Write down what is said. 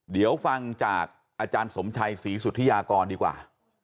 เดี๋ยวฟังจากอาจารย์สมชัยศรีสุธิยากรดีกว่า